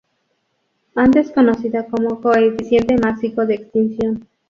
Antes conocida como "coeficiente másico de extinción".